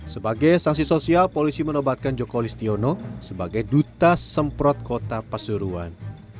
sebagai sanksi sosial polisi menobatkan joko listiono sebagai duta semprot kota pasuruan